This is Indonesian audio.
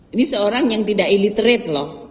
ini seorang yang tidak iliterate loh